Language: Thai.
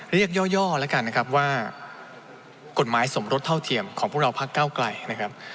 ย่อแล้วกันนะครับว่ากฎหมายสมรสเท่าเทียมของพวกเราพักเก้าไกลนะครับ